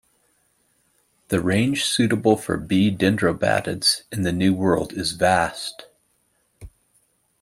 The range suitable for "B. dendrobatidis" in the New World is vast.